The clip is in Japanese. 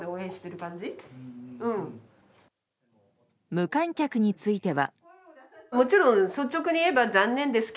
無観客については。